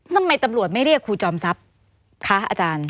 ทำไมตำรวจไม่เรียกครูจอมทรัพย์คะอาจารย์